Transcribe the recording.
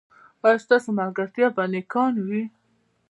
ایا ستاسو ملګري به نیکان وي؟